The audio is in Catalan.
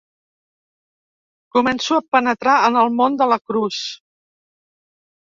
Començo a penetrar en el món de la Cruz.